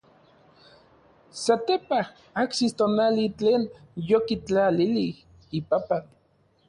Satepaj ajsis tonali tlen yokitlalilij ipapan.